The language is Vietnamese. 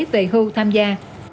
tề hưu tham gia